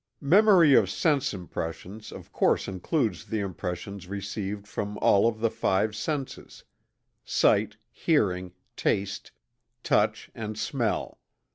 Memory of Sense Impressions of course includes the impressions received from all of the five senses: sight; hearing; taste; touch; and smell.